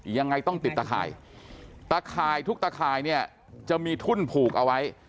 ยังไงต้องติดตะข่ายตะข่ายทุกตะข่ายเนี่ยจะมีทุ่นผูกเอาไว้